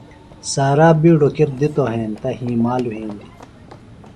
سارا بِیڈوۡ کِر دِتوۡ ہنتہ ہِیمال وھیندیۡ۔